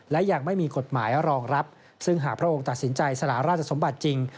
และยังไม่มีกฎหมายรองรับซึ่งหากพระองค์ตัดสินใจสละราชสมบัติจริง